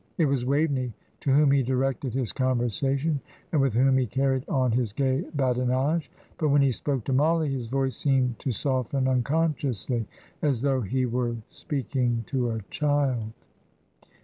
It was Waveney to whom he directed his conversation, and with whom he carried on his gay badinage; but when he spoke to Mollie, his voice seemed to soften unconsciously, as though he were speaking to a child.